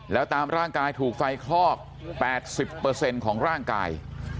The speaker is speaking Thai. แล้วตามร่างกายถูกไฟคลอก๘๐ของร่างกาย